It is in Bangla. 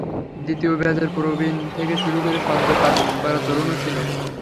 দ্বিতীয় ব্যাচের প্রবীণ থেকে শুরু করে সদ্য পাস করা তরুণও ছিলেন।